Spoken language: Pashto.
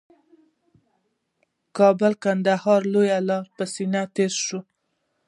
کابل قندهار لویه لاره یې په سینه تېره شوې